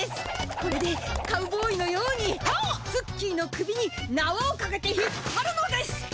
これでカウボーイのようにツッキーの首になわをかけて引っぱるのです。